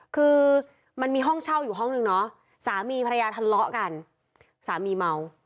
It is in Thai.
คือมันมีห้องเช่าอยู่ห้องนึงเนาะสามีภรรยาทะเลาะกันสามีเมา